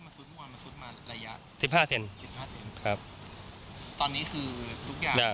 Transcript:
มันซุดมาระยะ